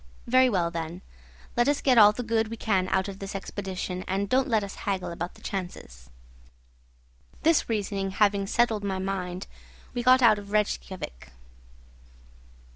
Very well, then; let us get all the good we can out of this expedition, and don't let us haggle about the chances." This reasoning having settled my mind, we got out of Rejkiavik.